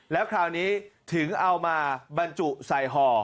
แล้วคราวนี้ถึงเอามาบรรจุใส่ห่อ